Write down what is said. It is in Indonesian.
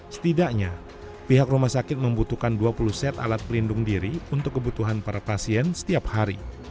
setidaknya pihak rumah sakit membutuhkan dua puluh set alat pelindung diri untuk kebutuhan para pasien setiap hari